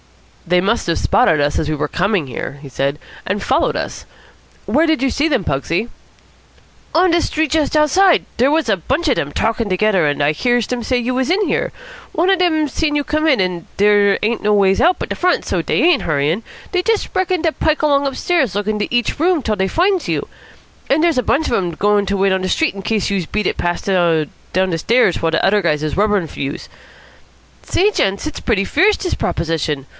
"They must have spotted us as we were coming here," he said, "and followed us. Where did you see them, Pugsy?" "On de Street just outside. Dere was a bunch of dem talkin' togedder, and I hears dem say you was in here. One of dem seen you come in, an dere ain't no ways out but de front, so dey ain't hurryin'! Dey just reckon to pike along upstairs, lookin' into each room till dey finds you. An dere's a bunch of dem goin' to wait on de Street in case youse beat it past down de stairs while de udder guys is rubberin' for youse. Say, gents, it's pretty fierce, dis proposition.